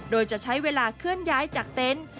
โดยจะใช้เวลาเคลื่อนย้ายจากเต็นต์